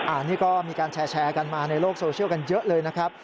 อันนี้ก็มีการแชร์กันมาในโลกโซเชียลกันเยอะเลยนะครับ